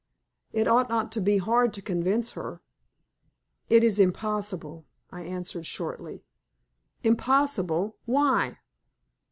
It ought not to be hard to convince her." "It is impossible," I answered, shortly. "Impossible! Why?"